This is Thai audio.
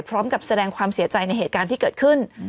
พร้อมกับแสดงความเสียใจในเหตุการณ์ที่เกิดขึ้น